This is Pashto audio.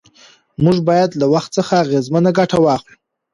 موږ باید له وخت څخه اغېزمنه ګټه واخلو